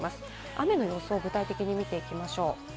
雨の予想を具体的に見ていきましょう。